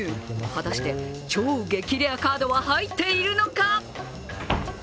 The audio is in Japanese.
果たして、超激レアカードは入っているのか？